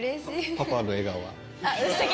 パパの笑顔は？